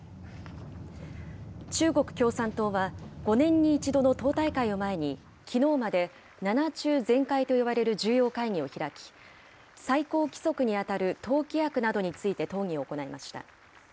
中国共産党は、５年に１度の党大会を前に、きのうまで、７中全会と呼ばれる重要会議を開き、最高規則に当たる党規約などについて討議を行いました。